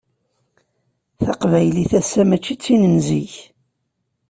Taqbaylit ass-a mačči d tin n zik.